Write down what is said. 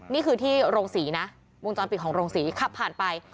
นี่คือที่โรงศรีนะวงจรปิดของโรงศรีขับผ่านไป